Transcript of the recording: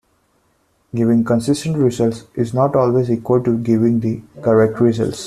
Giving consistent results is not always equal to giving the correct results.